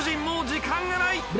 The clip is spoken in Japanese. もう時間がない。